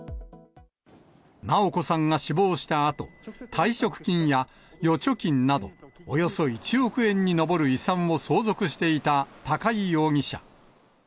直子さんが死亡したあと、退職金や預貯金などおよそ１億円に上る遺産を相続していた高井容疑者。